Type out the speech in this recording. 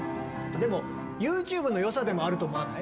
でもＹｏｕＴｕｂｅの良さでもあると思わない？